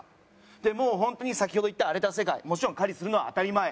でもうホントに先ほど言った荒れた世界もちろん狩りするのは当たり前。